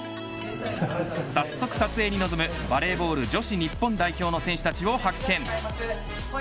早速撮影に臨むバレーボール女子日本代表の選手たちを発見。